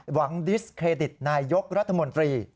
ดิสเครดิตนายยกรัฐมนตรี